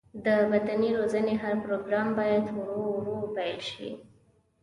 د بدني روزنې هر پروګرام باید ورو ورو پیل شي.